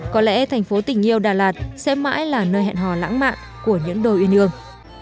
có lẽ thành phố tình yêu đà lạt sẽ mãi là nơi hẹn hò lãng mạ của những đôi uyên